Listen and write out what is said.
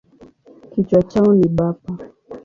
Kichwa chao ni bapa.